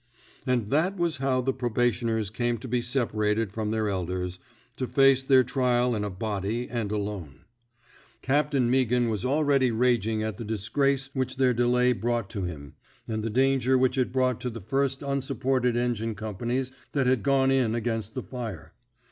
And that was how the probationers came to be separated from their elders, to face their trial in a body and alone. Captain Meaghan was already raging at the disgrace which their delay brought to him, and the danger which it brought to the first unsupported engine companies that had gone in against the fire.